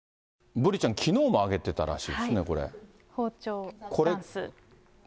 ブリちゃん、きのうも上げてたらしいですね、包丁ダンス。